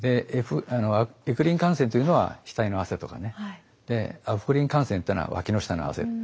エクリン汗腺というのは額の汗とかねアポクリン汗腺ってのはわきの下の汗。